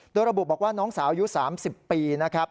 โดยระบุบอกว่าน้องสาวอายุ๓๐ปีนะครับ